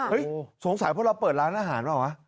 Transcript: เฮ้ยสงสัยเพราะเราเปิดร้านอาหารหรอ